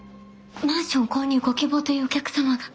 マンション購入ご希望というお客様が。